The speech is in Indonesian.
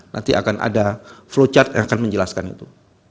nanti akan ada flow chart yang akan menjelaskan itu